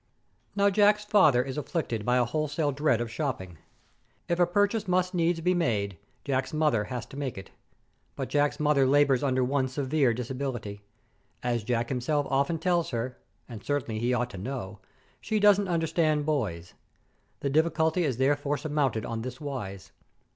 Now Jack's father is afflicted by a wholesome dread of shopping. If a purchase must needs be made, Jack's mother has to make it. But Jack's mother labours under one severe disability. As Jack himself often tells her and certainly he ought to know she doesn't understand boys. The difficulty is therefore surmounted on this wise.